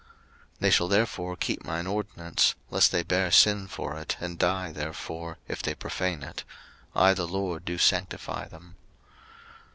03:022:009 They shall therefore keep mine ordinance, lest they bear sin for it, and die therefore, if they profane it: I the LORD do sanctify them.